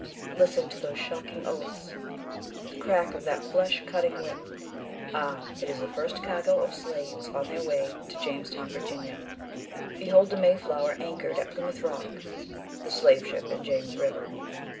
Listen to those shocking oaths, the crack of that flesh cutting whip. Ah! it is the first cargo of slaves on their way to Jamestown, Virginia. Behold the May flower anchored at Plymouth Rock, the slave ship in James River.